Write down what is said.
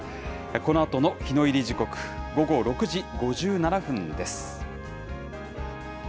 このあとの日の入り時刻、午後６時５７分です。